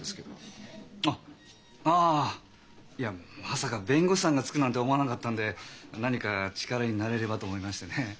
まさか弁護士さんがつくなんて思わなかったんで何か力になれればと思いましてねえ。